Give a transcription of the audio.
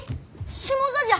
下座じゃ！